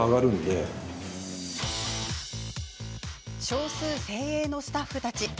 少数精鋭のスタッフたち。